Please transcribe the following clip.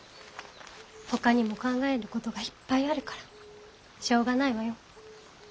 ほかにも考えることがいっぱいあるからしょうがないわよ。